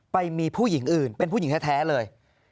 ไปมีผู้หญิงอื่นเป็นผู้หญิงแท้เลย